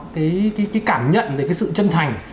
cái cảm nhận cái sự chân thành